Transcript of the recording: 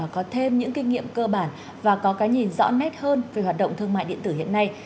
có thêm những kinh nghiệm cơ bản và có cái nhìn rõ nét hơn về hoạt động thương mại điện tử hiện nay